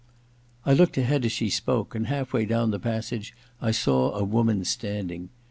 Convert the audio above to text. * I looked ahead as she spoke, and half way down the passage I saw a woman standing.